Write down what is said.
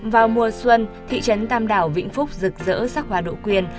vào mùa xuân thị trấn tam đảo vĩnh phúc rực rỡ sắc hoa đỗ quyên